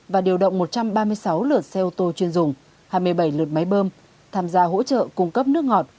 và điều động một trăm ba mươi sáu lượt xe ô tô chuyên dùng hai mươi bảy lượt máy bơm tham gia hỗ trợ cung cấp nước ngọt